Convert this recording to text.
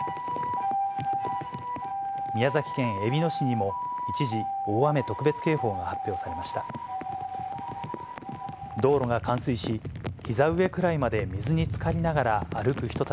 宮崎県えびの市にも、一時、大雨特別警報が発表されました。